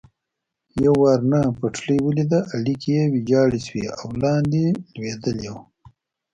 یوه ورانه پټلۍ ولیده، اړیکي یې ویجاړ شوي او لاندې لوېدلي و.